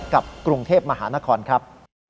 กับกรุงเทพมหานครครับ